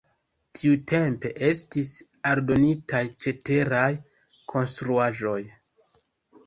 Tiutempe estis aldonitaj ceteraj konstruaĵoj.